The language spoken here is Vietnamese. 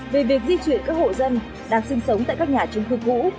về việc di chuyển các hộ dân đang sinh sống tại các nhà trung cư cũ